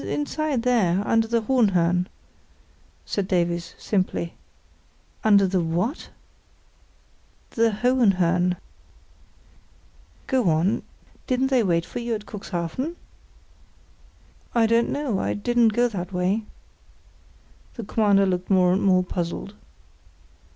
"Inside there, under the Hohenhörn," said Davies, simply. "Under the what?" "The Hohenhörn." "Go on—didn't they wait for you at Cuxhaven?" "I don't know; I didn't go that way." The Commander looked more and more puzzled.